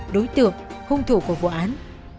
đối tượng hung thủ của vụ án